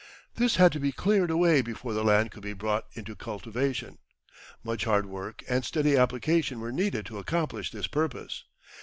This had to be cleared away before the land could be brought into cultivation. Much hard work and steady application were needed to accomplish this purpose.